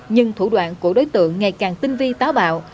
nhưng thủ đoạn của đối tượng ngày càng tinh vi táo bạo